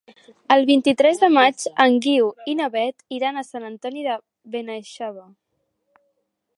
El vint-i-tres de maig en Guiu i na Beth iran a Sant Antoni de Benaixeve.